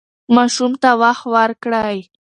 ماشوم ته وخت ورکړئ.